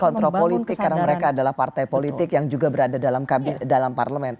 kontrol politik karena mereka adalah partai politik yang juga berada dalam parlemen